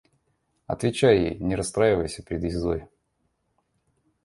Отвечай ей и не расстраивайся пред ездой.